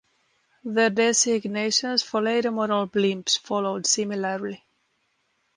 The designations for later model blimps followed similarly.